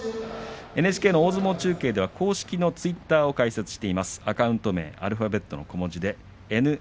ＮＨＫの大相撲中継では公式のツイッターを開設しています。